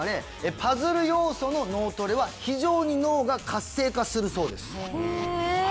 パズル要素の脳トレは非常に脳が活性化するそうです